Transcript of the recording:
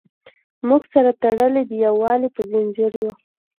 موږ سره تړلي د یووالي په زنځیر یو.